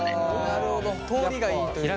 なるほど通りがいいというか。